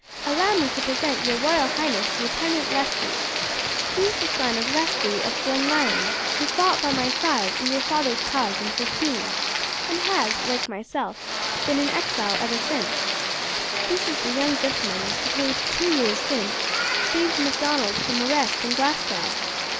"Allow me to present to your royal highness Lieutenant Leslie. He is the son of Leslie of Glenlyon, who fought by my side in your father's cause in '15, and has, like myself, been an exile ever since. This is the young gentleman who, two years since, saved Macdonald from arrest in Glasgow."